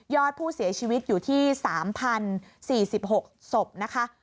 อดผู้เสียชีวิตอยู่ที่๓๐๔๖ศพนะคะ